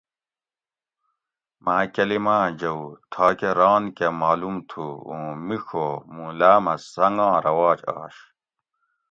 ماں کلیماۤں جوؤ تھاکہ ران کہ معلوم تھو اوں مِیڄو موں لامہ سنگاں رواج آش